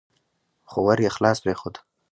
خو ور يې خلاص پرېښود.